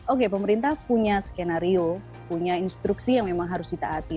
oke pemerintah punya skenario punya instruksi yang memang harus ditaati